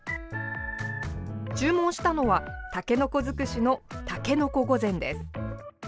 注文したのはたけのこ尽くしのたけのこ御膳です。